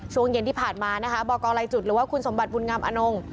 ช่วงเย็นที่ผ่านมานะคะบอกกรลายจุดหรือว่าคุณสมบัติบุญงามอนง